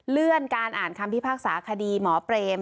เลื่อนการอ่านคำพิพากษาคดีหมอเปรม